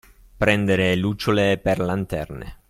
Prendere lucciole per lanterne.